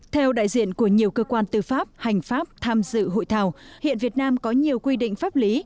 theo đại diện của nhiều cơ quan tư pháp hành pháp tham dự hội thảo hiện việt nam có nhiều quy định pháp lý